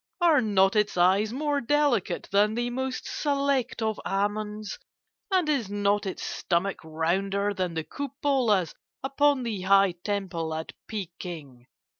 Are not its eyes more delicate than the most select of almonds? and is not its stomach rounder than the cupolas upon the high temple at Peking?